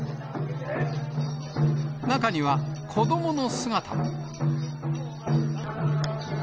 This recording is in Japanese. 中には、子どもの姿も。